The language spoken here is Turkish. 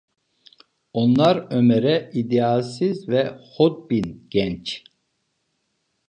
Onlar, Ömer’e: "İdealsiz ve hodbin genç!"